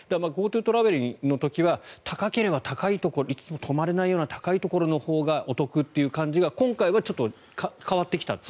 ＧｏＴｏトラベルの時は高ければ高いところいつも泊まれないような高いところのほうがお得という感じが今回はちょっと変わってきたと。